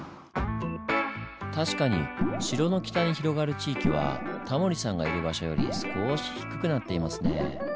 確かに城の北に広がる地域はタモリさんがいる場所よりすこし低くなっていますねぇ。